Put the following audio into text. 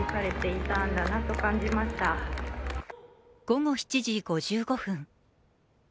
午後７時５５分。